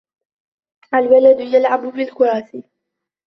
الْوَلَدُ يَلْعَبُ بِالْكُرَةِ.